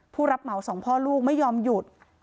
ผู้รับเหมาสองพ่อลูกไม่ยอมหยุด